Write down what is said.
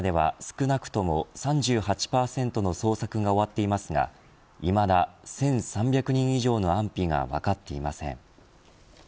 ラハイナでは、少なくとも３８％の捜索が終わっていますがいまだ１３００人以上の安否が分かっていません。